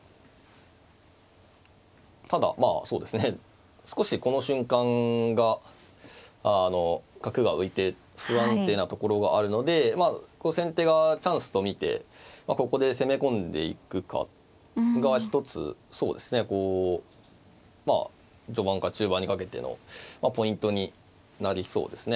ただまあそうですね少しこの瞬間があの角が浮いて不安定なところがあるのでまあ先手がチャンスと見てここで攻め込んでいくかが一つそうですねこう序盤から中盤にかけてのポイントになりそうですね。